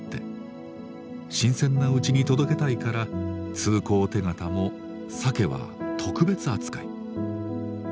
新鮮なうちに届けたいから通行手形もサケは特別扱い。